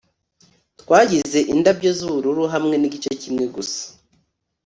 twagize indabyo z'ubururu hamwe nigice kimwe gusa